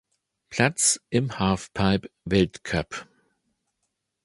Platz im Halfpipe-Weltcup.